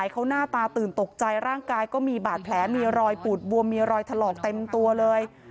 เขาหน้าตาตื่นตกใจร่างกายก็มีบาดแผลมีรอยปูดบวมมีรอยถลอกเต็มตัวเลย